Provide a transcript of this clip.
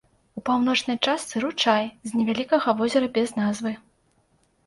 У паўночнай частцы ручай з невялікага возера без назвы.